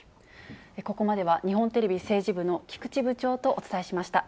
ここまでは、日本テレビ政治部の菊池部長とお伝えしました。